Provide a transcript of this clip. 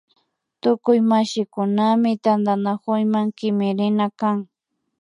Tukuy mashikunami tantanakuyma kimirina kan